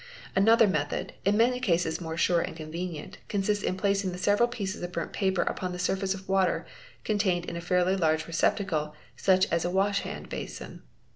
Another method, in many cases more sure and convenient, consists in placing the several pieces of burnt paper upon the surface of water contained in a fairly large receptacle, such as a wash hand basin.